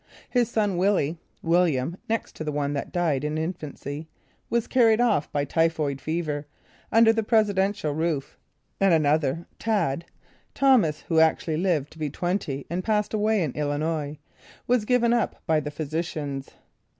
His son Willie (William, next to one that died in infancy) was carried off by typhoid fever, under the presidential roof; and another, "Tad," (Thomas, who actually lived to be twenty and passed away in Illinois) was given up by the physicians.